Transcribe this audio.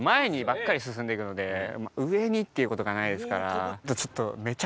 上にっていうことがないですから。